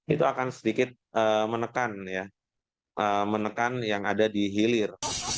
itu akan sedikit menekan yang ada di hilir